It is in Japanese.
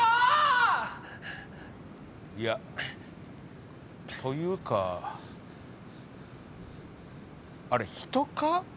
いやというかあれ人か？